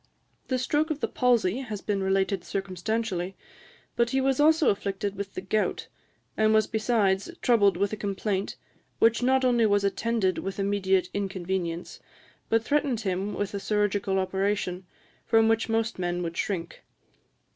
The stroke of the palsy has been related circumstantially; but he was also afflicted with the gout, and was besides troubled with a complaint which not only was attended with immediate inconvenience, but threatened him with a chirurgical operation, from which most men would shrink.